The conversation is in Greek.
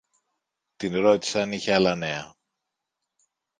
Την ρώτησε αν είχε άλλα νέα.